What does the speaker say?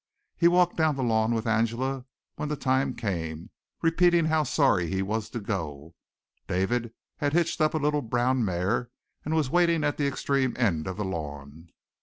He walked down the lawn with Angela, when the time came, repeating how sorry he was to go. David had hitched up a little brown mare and was waiting at the extreme end of the lawn.